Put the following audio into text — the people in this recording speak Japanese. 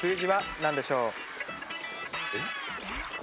箸でしょう。